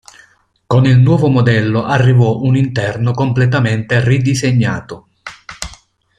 Con il nuovo modello arrivò un interno completamente ridisegnato.